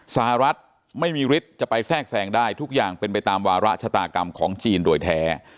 สหรัฐไม่มีฤทธิ์จะไปแทรกแทรงได้ทุกอย่างเป็นไปตามวาระชะตากรรมของจีนโดยแท้